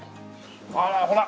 あらほら！